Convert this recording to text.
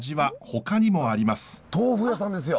豆腐屋さんですよ。